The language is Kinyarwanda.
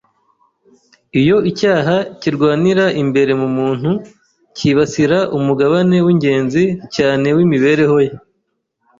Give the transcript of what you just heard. Iyo icyaha kirwanira imbere mu muntu, kibasira umugabane w’ingenzi cyane w’imibereho ye